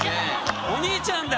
お兄ちゃんだ。